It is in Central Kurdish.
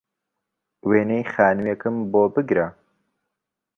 وێنەی خانووێکم بۆ بگرە